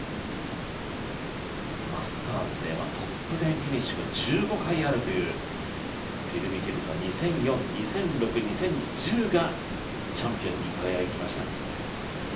マスターズでトップ１０フィニッシュが１５回あるというフィル・ミケルソン２００４、２００６、２０１０がチャンピオンに輝きました。